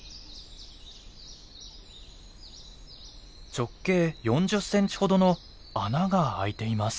直径４０センチほどの穴があいています。